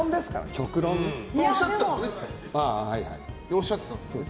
おっしゃってたんですよね？